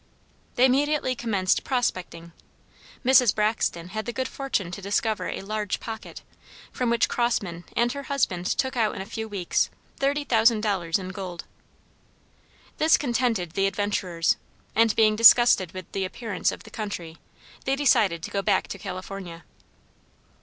They immediately commenced "prospecting." Mrs. Braxton had the good fortune to discover a large "pocket," from which Crossman and her husband took out in a few weeks thirty thousand dollars in gold. This contented the adventurers, and being disgusted with the appearance of the country, they decided to go back to California.